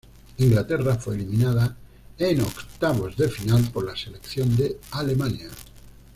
Inglaterra fue eliminada en octavos de final por la Selección de Alemania.